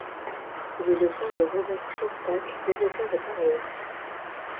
Il est le frère de Robert Shostak, développeur de Paradox.